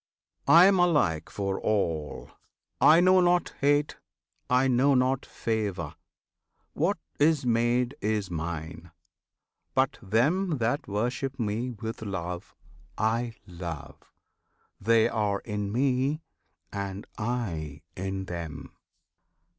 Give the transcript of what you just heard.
I am alike for all! I know not hate, I know not favour! What is made is Mine! But them that worship Me with love, I love; They are in Me, and I in them!